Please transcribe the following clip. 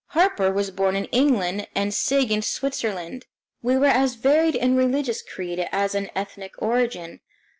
Harper was born in England, and Sigg in Switzerland. We were as varied in religious creed as in ethnic origin.